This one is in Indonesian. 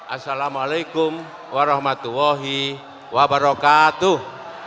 assalamu'alaikum warahmatullahi wabarakatuh